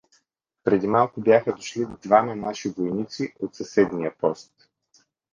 Преди малко бяха дошли двама наши войници от съседния пост.